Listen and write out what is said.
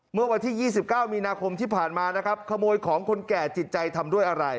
เมื่อวันที่๒๙มีนาคมที่ผ่านมานะครับขโมยของคนแก่จิตใจทำด้วยอะไร